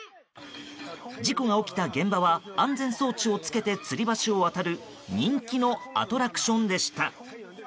事故が起きた現場は安全装置をつけてつり橋を渡る人気のアトラクションでした。